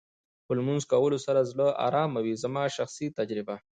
په لمونځ کولو سره زړه ارامه وې زما شخصي تجربه.